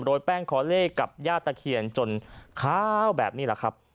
โดยแป้งขอเลขกับญาติตะเคียนจนข้าวแบบนี้แหละครับ